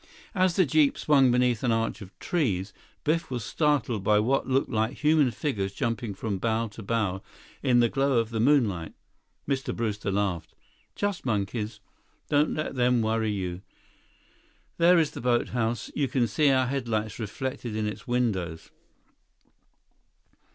As the jeep swung beneath an arch of trees, Biff was startled by what looked like human figures jumping from bough to bough in the glow of the moonlight. Mr. Brewster laughed. "Just monkeys. Don't let them worry you. There is the boathouse. You can see our headlights reflected in its windows."